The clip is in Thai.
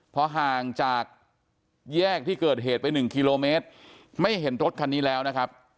พอห่างจากแยกที่เกิดเหตุไป๑กิโลเมตรไม่เห็นรถคันนี้แล้วนะครับ